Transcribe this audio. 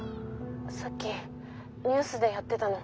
さっきニュースでやってたの。